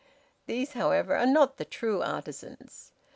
These, however, are not the true artisans.